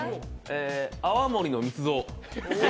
泡盛の密造？